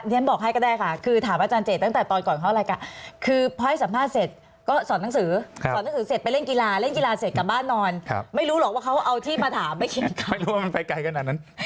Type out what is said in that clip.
ว่าเขาเอาที่มาถามไม่รู้ว่ามันไปไกลขนาดนั้น